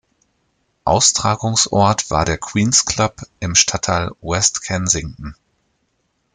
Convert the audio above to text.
Austragungsort war der Queen’s Club im Stadtteil West Kensington.